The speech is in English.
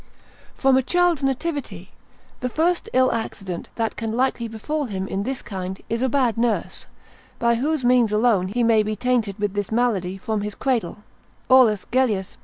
From a child's nativity, the first ill accident that can likely befall him in this kind is a bad nurse, by whose means alone he may be tainted with this malady from his cradle, Aulus Gellius l.